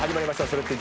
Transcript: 「それって！？